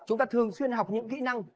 chúng ta thường xuyên học những kỹ năng